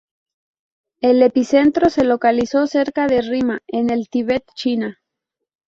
El epicentro se localizó cerca de Rima, en el Tíbet, China.